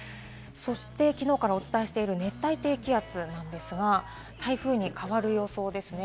きのうからお伝えしている熱帯低気圧ですが、台風に変わる予想ですね。